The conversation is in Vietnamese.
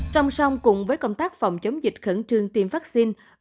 trong sông cùng với công tác phòng chống dịch khẩn trương tiêm vaccine